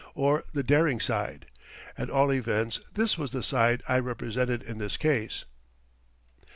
or the daring side. At all events, this was the side I represented in this case.